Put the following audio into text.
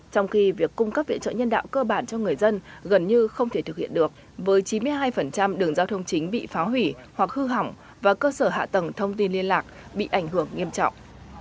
trong khi việc cung cấp viện trợ nhân đạo cơ bản cho người dân gần như không thể thực hiện được với chín mươi hai đường giao thông chính bị phá hủy hoặc hư hỏng và cơ sở hạ tầng thông tin liên lạc bị ảnh hưởng nghiêm trọng